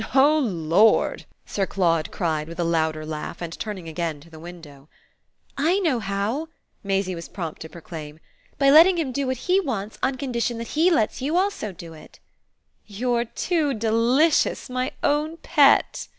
"Oh Lord!" Sir Claude cried with a louder laugh and turning again to the window. "I know how!" Maisie was prompt to proclaim. "By letting him do what he wants on condition that he lets you also do it." "You're too delicious, my own pet!"